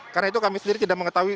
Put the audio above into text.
karena itu kami sendiri tidak mengetahui